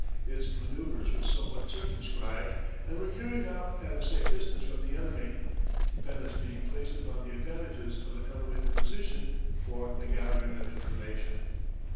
Its manoeuvres were somewhat circumscribed, and were carried out at a safe distance from the enemy, dependence being placed upon the advantages of an elevated position for the gathering of information.